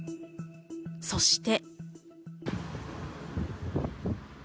そして。